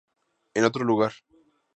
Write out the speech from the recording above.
En otro lugar.